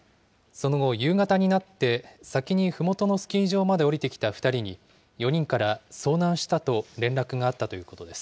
その後、夕方になって、先にふもとのスキー場まで下りてきた２人に、４人から、遭難したと連絡があったということです。